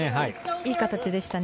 いい形でしたね。